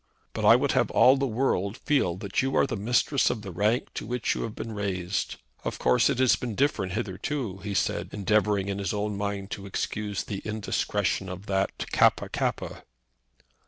But I would have all the world feel that you are the mistress of the rank to which you have been raised. Of course, it has been different hitherto," he said, endeavouring in his own mind to excuse the indiscretion of that Kappa kappa.